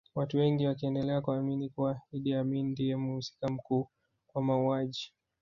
Watu wengi wakiendelea kuamini kuwa Idi Amin ndiye mhusika mkuu kwa mauaji